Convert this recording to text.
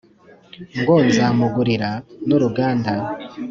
Ngo nzamugurira nuruganda